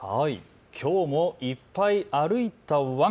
きょうもいっぱい歩いたワン。